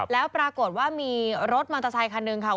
แล้วปรากฏว่ามีรถมอเตอร์ไซคันหนึ่งค่ะ